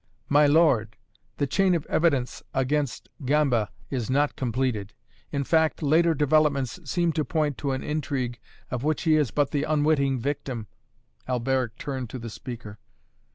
"My lord the chain of evidence against Gamba is not completed. In fact, later developments seem to point to an intrigue of which he is but the unwitting victim " Alberic turned to the speaker.